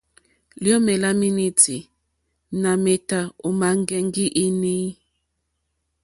Liomè la menuti nà meta òma ŋgɛŋgi inèi.